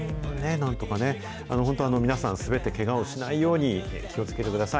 なんとかね、本当、皆さん、滑ってけがをしないように気をつけてください。